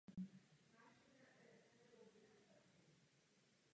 Má také řadu různých aplikací.